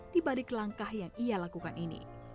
di balik langkah yang ia lakukan ini